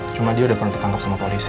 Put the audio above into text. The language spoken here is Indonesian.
cuma dia udah pernah ditangkap sama polisi